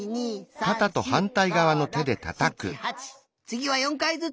つぎは４かいずつ！